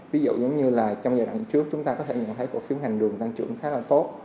ví dụ giống như là trong giai đoạn trước chúng ta có thể nhận thấy cổ phiếu ngành đường tăng trưởng khá là tốt